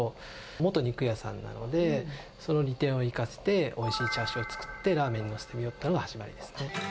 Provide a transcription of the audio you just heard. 元肉屋さんなので、その利点を生かして、おいしいチャーシューを作って、ラーメンに載せてみようっていうのが始まりですね。